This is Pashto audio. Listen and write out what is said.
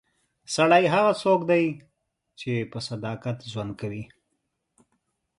سړی هغه څوک دی چې په صداقت ژوند کوي.